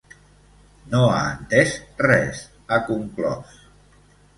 No han entès res, ha conclòs.